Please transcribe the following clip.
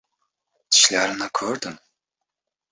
Tishlarini ko‘rdim.